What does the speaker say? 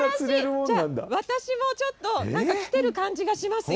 じゃ、私もちょっと、きてる感じがしますよ。